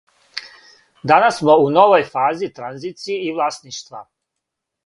Данас смо у новој фази транзиције и власништва.